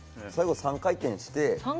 ３回転して。